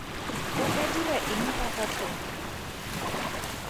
O ka dira eng ka ga tsona?